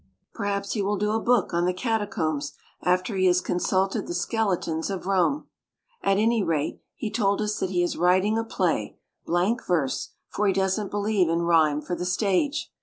Perhaps he will do a Book on the catacombs after he has consulted the skeletons of Rome. At any rate, he told us that he is writing a play, blank verse, for he doesn't be lieve in rhyme for the stage.